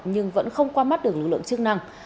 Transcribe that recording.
nhưng vẫn không qua mắt được lực lượng chức năng